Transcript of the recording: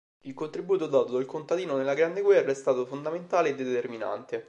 Il contributo dato dal contadino nella Grande Guerra è stato fondamentale e determinante.